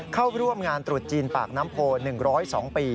เข้าร่วมงานตรุษจีนปากน้ำโพ๑๐๒ปี